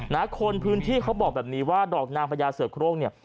นะคนพื้นที่เขาบอกแบบนี้ว่าดอกนางพญาเสือโครงเนี่ย